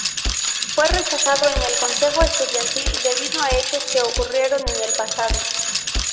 Fue rechazado en el Consejo Estudiantil debido a hechos que ocurrieron en el pasado.